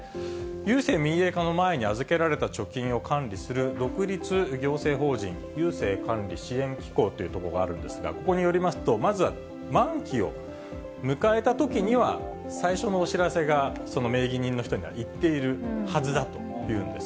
郵政民営化の前に預けられた貯金を管理する独立行政法人郵政管理・支援機構という所があるんですが、ここによりますと、まずは満期を迎えたときには、最初のお知らせが、その名義人の人にはいっているはずだというんです。